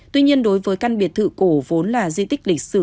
tuy nhiên đối với căn biệt thự cổ vốn là di tích lịch sử